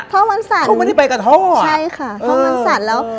ท่อมันสั่นเขาไม่ได้ไปกับท่อใช่ค่ะท่อมันสั่นแล้ว